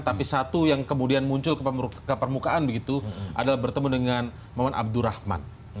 tapi satu yang kemudian muncul ke permukaan begitu adalah bertemu dengan muhammad abdurrahman